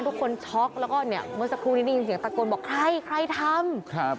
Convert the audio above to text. ทุกคนช็อกแล้วก็เนี่ยเมื่อสักครู่นี้ได้ยินเสียงตะโกนบอกใครใครทำครับ